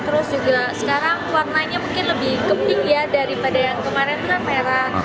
terus juga sekarang warnanya mungkin lebih keping ya daripada yang kemarin kan merah